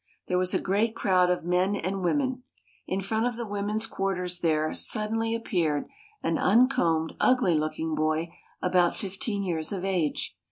There was a great crowd of men and women. In front of the women's quarters there suddenly appeared an uncombed, ugly looking boy about fifteen years of age.